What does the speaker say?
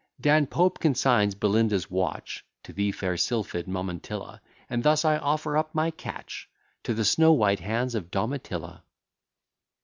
Dan Pope consigns Belinda's watch To the fair sylphid Momentilla, And thus I offer up my catch To the snow white hands of Domitilla.